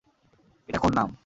এটা কোন নাম?